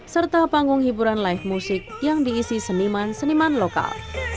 serta panggung hiburan live music yang diisi seniman seniman lokal